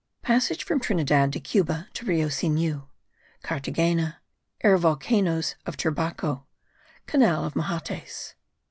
PASSAGE FROM TRINIDAD DE CUBA TO RIO SINU. CARTHAGENA. AIR VOLCANOES OF TURBACO. CANAL OF MAHATES.